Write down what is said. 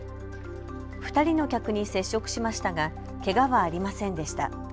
２人の客に接触しましたがけがはありませんでした。